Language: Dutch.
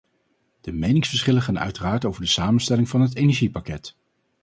De meningsverschillen gaan uiteraard over de samenstelling van het energiepakket.